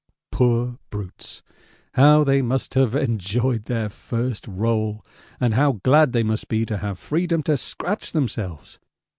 Poor brutes, how they must have enjoyed their first roll, and how glad they must be to have freedom to scratch themselves!